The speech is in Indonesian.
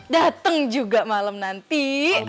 dateng juga malem nanti